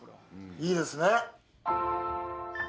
いいですね。